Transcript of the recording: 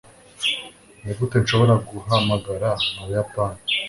Nigute nshobora guhamagara mu Buyapani?